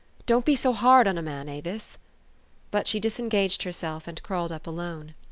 Don't be so hard on a man, Avis !" But she disengaged herself, and crawled up alone.